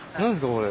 これ。